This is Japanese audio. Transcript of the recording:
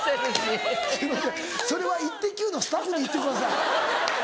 すいませんそれは『イッテＱ！』のスタッフに言ってください。